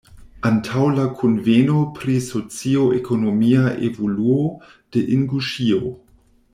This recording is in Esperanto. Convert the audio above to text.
Antaŭ la kunveno pri socio-ekonomia evoluo de Inguŝio.